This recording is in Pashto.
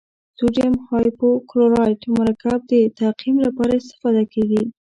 سوډیم هایپوکلورایت مرکب د تعقیم لپاره استفاده کیږي.